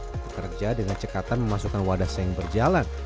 bekerja dengan cekatan memasukkan wadah seng berjalan